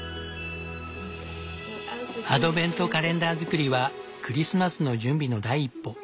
アドベントカレンダー作りはクリスマスの準備の第一歩。